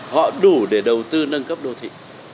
họ đủ để đầu tư nâng cấp đô thị